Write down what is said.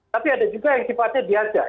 tapi ada juga yang sifatnya diajak